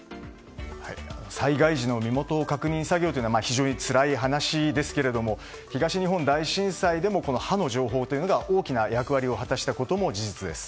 災害時の身元確認作業は非常につらい話ですが東日本大震災でも歯の情報が大きな役割を果たしたことも事実です。